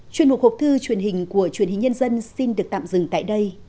chuyên mục hộp thư truyền hình của truyền hình nhân dân xin được tạm dừng tại đây